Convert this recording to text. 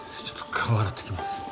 ちょっと顔洗ってきます。